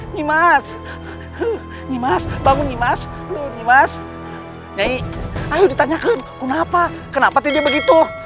nyimas nyimas bangun nyimas nyai ayo ditanyakan kenapa kenapa tindih begitu